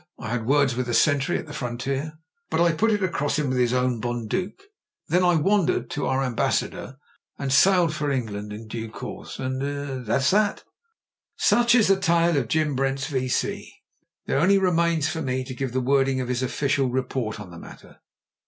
I had words with a sentry at the frontier, but I put it across him with his own bundook. Then I wandered to our Ambassador, and m sailed for England in due course. And— er — that's that." Such is the tale of Jim Brent's V.C. There only remains for me to give the wording of his official re^ port on the matter.